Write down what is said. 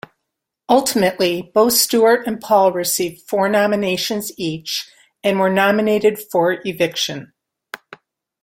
Ultimately, both Stuart and Paul received four nominations each, and were nominated for eviction.